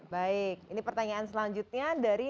dan selanjutnya dari